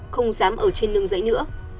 không dám ở trên nương dãy nữa